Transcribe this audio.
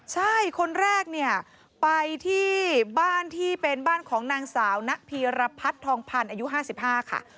ใช่คนแรกเนี่ยไปที่บ้านที่เป็นบ้านของนางสาวณพีรพัฒน์ทองพันธ์อายุ๕๕ค่ะ